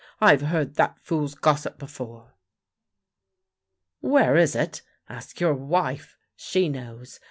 I've heard that fool's gossip before! "" Where is it? Ask your wife. She knows.